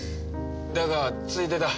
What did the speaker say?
だがついでだ。